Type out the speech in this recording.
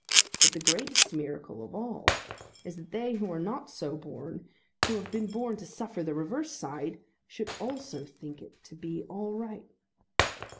But the greatest miracle of all is that they who are not so born, who have been born to suffer the reverse side, should also think it to be all right.